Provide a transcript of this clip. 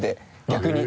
逆に。